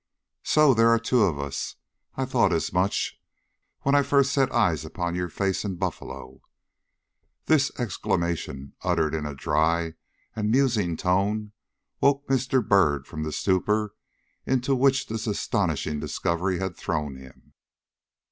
"SO there are two of us! I thought as much when I first set eyes upon your face in Buffalo!" This exclamation, uttered in a dry and musing tone, woke Mr. Byrd from the stupor into which this astonishing discovery had thrown him.